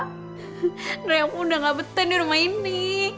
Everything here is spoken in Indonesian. karena aku udah gak beten di rumah ini